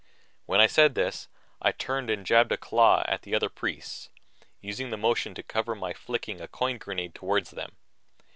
When I said this, I turned to jab a claw at the other priests, using the motion to cover my flicking a coin grenade toward them.